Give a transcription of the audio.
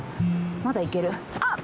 まだいけるあっ！